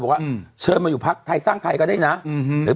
บอกว่าเชิญมาอยู่พักไทยสร้างไทยก็ได้นะอืมหรือ